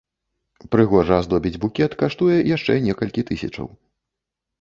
Прыгожа аздобіць букет каштуе яшчэ некалькі тысячаў.